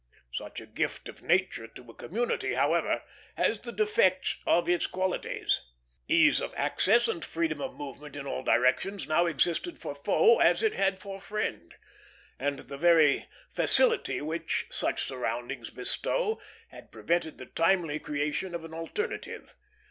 Such a gift of nature to a community, however, has the defects of its qualities. Ease of access, and freedom of movement in all directions, now existed for foe as it had for friend, and the very facility which such surroundings bestow had prevented the timely creation of an alternative.